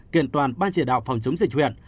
kiện toàn ban chỉ đạo phòng chống dịch huyện